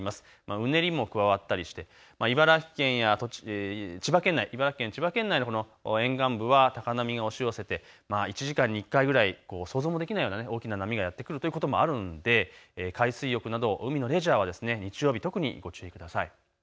うねりも加わったりして茨城県や千葉県内沿岸部は高波が押し寄せて１時間に１回ぐらい想像もできないような大きな波がやって来るということもあるので海水浴など、海のレジャーは日曜日、特にご注意ください。